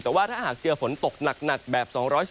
แต่ว่าถ้าหากเจอฝนตกหนักแบบ๒๔